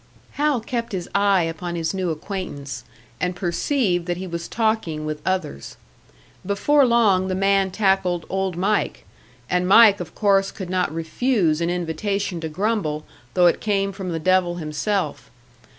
Hal kept his eye upon his new acquaintance, and perceived that he was talking with others. Before long the man tackled Old Mike; and Mike of course could not refuse an invitation to grumble, though it came from the devil himself.